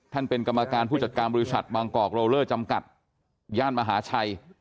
เป็นกรรมการผู้จัดการบริษัทบางกอกโลเลอร์จำกัดย่านมหาชัย